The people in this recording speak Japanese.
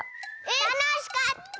たのしかった！